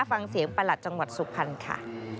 ฟังเสียงประหลัดจังหวัดสุพรรณค่ะ